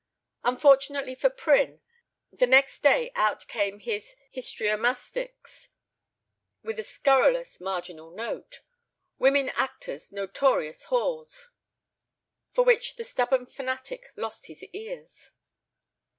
Unfortunately for Prynne, the next day out came his Histriomastix, with a scurrilous marginal note, "Women actors notorious whores!" for which the stubborn fanatic lost his ears.